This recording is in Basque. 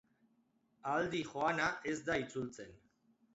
Aldi joana ez da itzultzen.